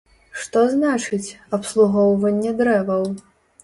Што значыць, абслугоўванне дрэваў?